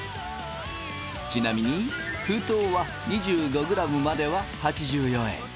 ちなみに封筒は２５ｇまでは８４円。